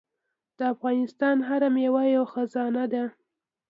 د افغانستان هره میوه یوه خزانه ده.